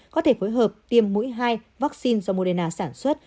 có thể phối hợp tiêm mũi hai vaccine do moderna sản xuất